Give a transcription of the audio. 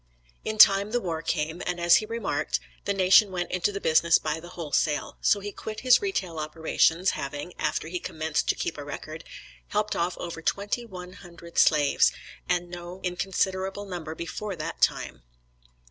In time the war came, and as he remarked, the nation went into the business by the wholesale, so he quit his retail operations, having, after he commenced to keep a record, helped off over twenty one hundred slaves, and no inconsiderable number before that time.